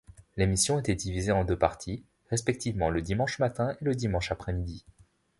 L’émission était divisée en deux parties, respectivement le dimanche matin et le dimanche après-midi.